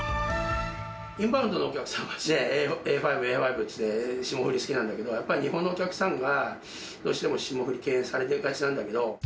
インバウンドのお客さんは、Ａ５ランク、Ａ５ランクって言って、霜降り好きなんだけど、やっぱり日本のお客さんは、どうしても霜降り敬遠されている感じなんだけども。